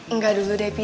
enggak dulu depi